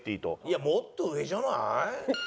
いやもっと上じゃない？